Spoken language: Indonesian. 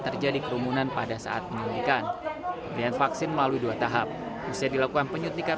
terjadi kerumunan pada saat penyuntikan pemberian vaksin melalui dua tahap usia dilakukan penyuntikan